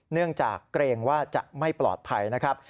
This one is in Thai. เนื่องจากเกรงว่าจะไม่ปลอดภัยนะครับ